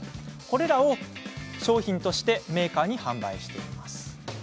これらを商品としてメーカーなどに販売しています。